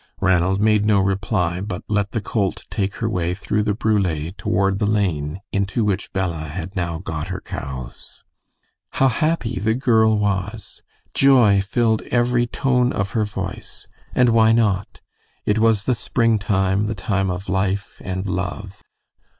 Ranald made no reply, but let the colt take her way through the brule toward the lane into which Bella had now got her cows. How happy the girl was! Joy filled every tone of her voice. And why not? It was the springtime, the time of life and love.